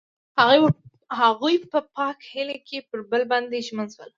هغوی په پاک هیلې کې پر بل باندې ژمن شول.